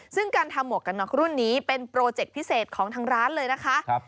ซึ่งการทำหมวกกันน็อกรุ่นนี้เป็นโปรเจคพิเศษของทางร้านเลยนะคะ